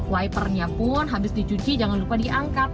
wipernya pun habis dicuci jangan lupa diangkat